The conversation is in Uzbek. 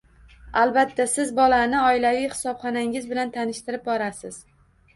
Albatta siz bolani oilaviy hisobxonangiz bilan tanishtirib borasiz.